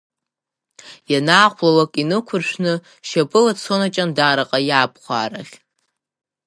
Ианаахәлалак инықәыршәны, шьапыла дцон Аҷандараҟа иабхәаарахь.